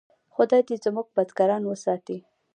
خدای دې زموږ بزګران وساتي.